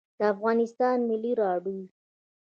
د افغانستان ملی رادیو